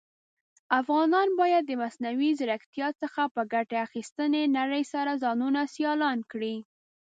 افغانان بايد د مصنوعى ځيرکتيا څخه په ګټي اخيستنې نړئ سره ځانونه سيالان کړى.